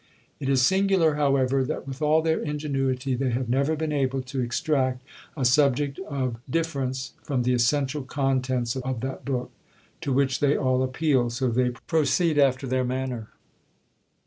It is singular, however, that with all their ingenuity, they have never been able to extract a subject of difference from the essential contents of that book, to which they all appeal—so they proceed after their manner.